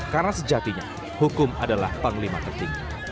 karena sejatinya hukum adalah panglima penting